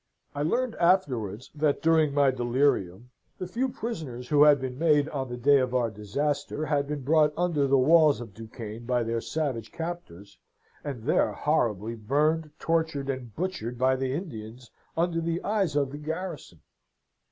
I heard afterwards, that during my delirium the few prisoners who had been made on the day of our disaster, had been brought under the walls of Duquesne by their savage captors, and there horribly burned, tortured, and butchered by the Indians, under the eyes of the garrison."